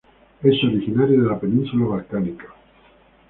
Es originario de la Península Balcánica.